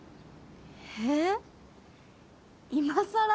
えいまさら？